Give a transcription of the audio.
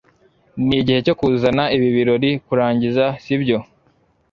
nigihe cyo kuzana ibi birori kurangiza, sibyo